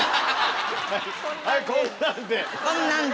はいこんなんで。